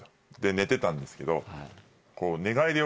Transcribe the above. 寝てたんですけど。